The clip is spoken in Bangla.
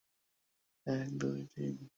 জানো, আমি ভাবিনি যে বইটা পড়তে এত সময় লাগবে।